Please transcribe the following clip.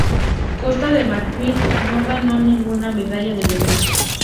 Costa de Marfil no ganó ninguna medalla en el evento.